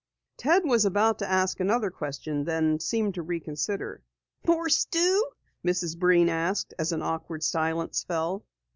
Ted was about to ask another question, then seemed to reconsider. "More stew?" Mrs. Breen asked as an awkward silence fell.